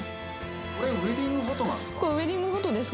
これウエディングフォトです